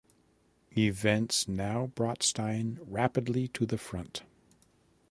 Events now brought Stein rapidly to the front.